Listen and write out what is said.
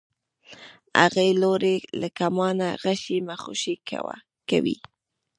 هغې لورې له کمانه غشی مه خوشی کوئ.